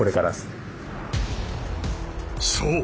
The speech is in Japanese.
そう！